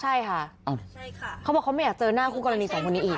ใช่ค่ะเขาบอกเขาไม่อยากเจอหน้าคู่กรณีสองคนนี้อีก